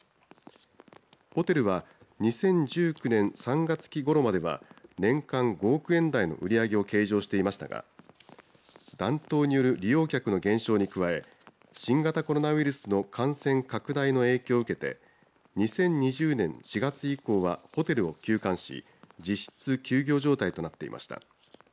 ホテルは２０１９年３月期ごろまでは年間５億円台の売り上げを計上していましたが暖冬による利用客の減少に加え新型コロナウイルスの感染拡大の影響を受けて２０２０年４月以降はホテルを休館し、実質休業状態となっていました。